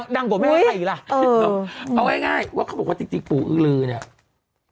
ดังกว่าไม่ว่าใครอีกล่ะเอาง่ายว่าเขาบอกว่าจริงจริงปู่อื้อลือเนี่ย